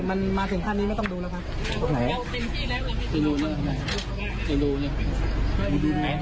มันมาสิ่งทางนี้ไม่ต้องดูแล้วค่ะไหนตรงไหนตรงไหนตรงไหนตรงไหน